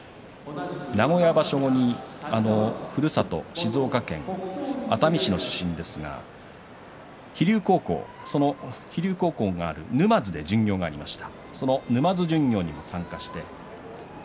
名古屋場所後にふるさと静岡県熱海市の出身ですが飛龍高校がある沼津で巡業がありました。